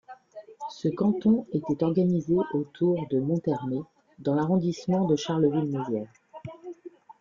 Ce canton était organisé autour de Monthermé dans l'arrondissement de Charleville-Mézières.